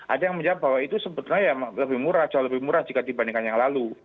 ada yang menjawab bahwa itu sebetulnya ya lebih murah jauh lebih murah jika dibandingkan yang lalu